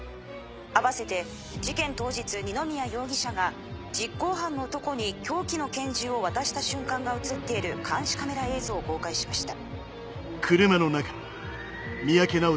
併せて事件当日二宮容疑者が実行犯の男に凶器の拳銃を渡した瞬間が写っている監視カメラ映像を公開しました。